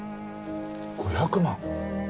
５００万？